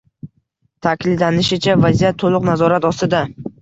Ta’kidlanishicha, vaziyat to‘liq nazorat ostida